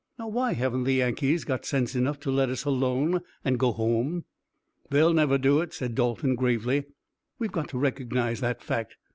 Now, why haven't the Yankees got sense enough to let us alone and go home?" "They'll never do it," said Dalton gravely. "We've got to recognize that fact.